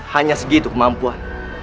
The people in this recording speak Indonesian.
hanya segitu kemampuan